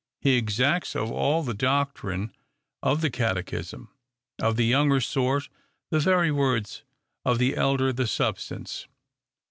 — He exacts of all the doctrine of the catechism ; of the younger sort, the very words ; of the elder, the substance.